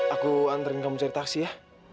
aku anterin kamu cari taksi ya